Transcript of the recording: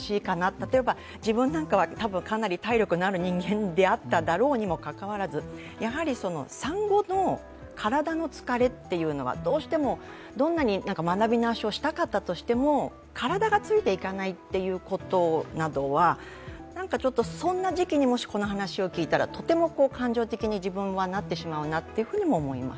例えば、自分などはかなり体力のある人間であっただろうにもかかわらず、産後の体の疲れというのはどうしても、どんなに学び直しをしたかったとしても体がついていかないということなどはちょっと、そんな時期にもし、この話を聞いたらとても感情的に自分はなってしまうなと思います。